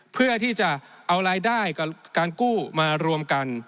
เพื่อที่จะเอารายได้กับการกู้มารวมกัน